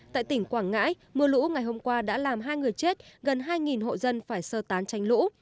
tại tỉnh quảng ngãi mưa lũ ngày hôm qua đã làm hai người chết gần hai hộ dân phải sơ tán tránh lũ